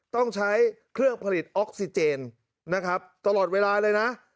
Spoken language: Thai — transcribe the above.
ต้องใช้เครื่องผลิตออกซิเจนนะครับตลอดเวลาเลยนะ